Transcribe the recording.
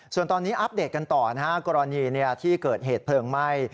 ส่วนตอนนี้อัปเดตกันต่อนะฮะกรณีที่เกิดเหตุเพลิงไหม้